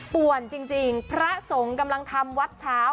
ป่วนจริงพระสงฆ์กำลังทำวัดเช้า